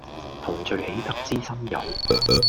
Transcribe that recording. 同聚喜得知心友